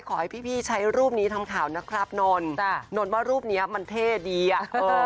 ขอให้พี่พี่ใช้รูปนี้ทำข่าวนะครับนนจ้ะนนว่ารูปเนี้ยมันเท่ดีอ่ะเออ